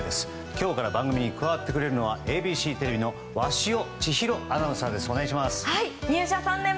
今日から番組に加わってくれるのはＡＢＣテレビの鷲尾千尋アナウンサーです。